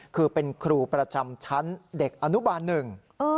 คือเป็นครูประจำชั้นเด็กอนุบาลหนึ่ง